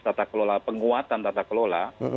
tata kelola penguatan tata kelola